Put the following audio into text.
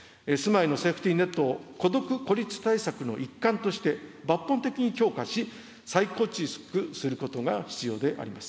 住まいのセーフティネットを孤独・孤立対策の一環として、抜本的に強化し、再構築することが必要であります。